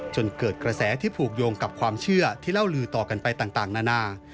จนเกิดกระแสที่ผูกโยงกับความเชื่อที่เล่าลือต่อกันไปต่างนานา